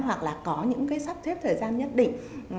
hoặc là có những cái sắp xếp thời gian nhất định